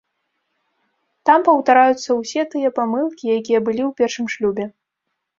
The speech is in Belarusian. Там паўтараюцца ўсе тыя памылкі, якія былі ў першым шлюбе.